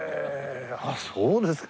あっそうですか。